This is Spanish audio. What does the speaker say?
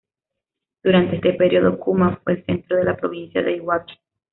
Durante este período, Kuma fue el centro de la Provincia de Iwaki.